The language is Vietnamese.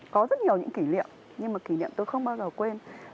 có rất nhiều những kỷ niệm nhưng mà kỷ niệm tôi không bao giờ quên